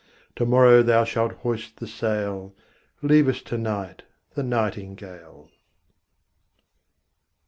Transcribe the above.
To morrow thou shalt hoist the sail; Leave us to night the nightingale.